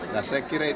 nah saya kira itu